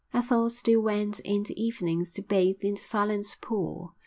Ethel still went in the evenings to bathe in the silent pool.